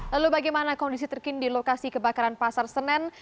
lalu bagaimana kondisi terkini di lokasi kebakaran pasar senen